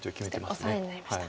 そしてオサエになりました。